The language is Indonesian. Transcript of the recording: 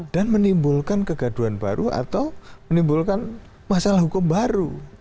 dan menimbulkan kegaduhan baru atau menimbulkan masalah hukum baru